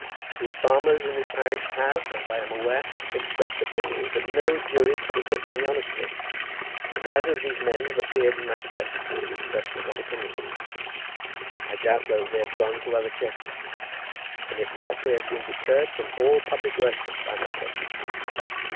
Two farmers in this parish have, as I am aware, expressed opinions that no jury could acquit me honestly, and neither of these men have appeared in my church since the expression of that opinion. I doubt whether they have gone to other churches; and if not they have been deterred from all public worship by my presence.